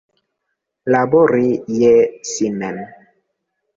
Labori je si mem.